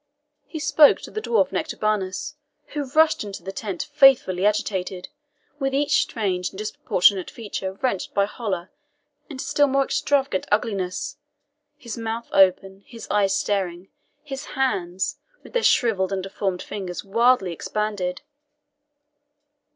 He spoke to the dwarf Nectabanus, who rushed into the tent fearfully agitated, with each strange and disproportioned feature wrenched by horror into still more extravagant ugliness his mouth open, his eyes staring, his hands, with their shrivelled and deformed fingers, wildly expanded.